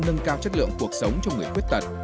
nâng cao chất lượng cuộc sống cho người khuyết tật